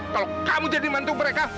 kalau kamu jadi mantu mereka